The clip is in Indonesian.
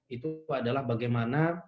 itu adalah bagaimana